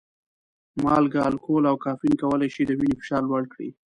مالګه، الکول او کافین کولی شي د وینې فشار لوړ کړي.